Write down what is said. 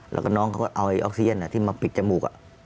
แล้วก็น้องเขาก็เอาออกเซียนที่มาปิดจมูก